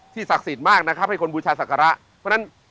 ศักดิ์สิทธิ์มากนะครับให้คนบูชาศักระเพราะฉะนั้น